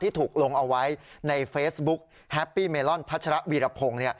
ถูกลงเอาไว้ในเฟซบุ๊กแฮปปี้เมลอนพัชระวีรพงศ์